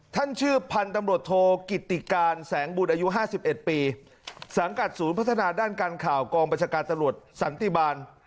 ชื่อพันธุ์ตำรวจโทกิติการแสงบุญอายุ๕๑ปีสังกัดศูนย์พัฒนาด้านการข่าวกองประชาการตำรวจสันติบาล